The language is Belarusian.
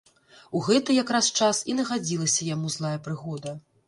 У гэты якраз час і нагадзілася яму злая прыгода.